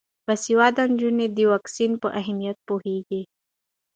باسواده نجونې د واکسین په اهمیت پوهیږي.